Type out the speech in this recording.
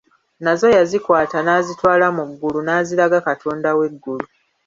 Nazo yazikwata n'azitwala mu ggulu n'aziraga katonda w'eggulu.